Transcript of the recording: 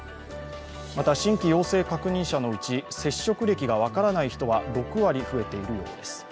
また、新規陽性確認者のうち接触歴が分からない人は６割増えているようです。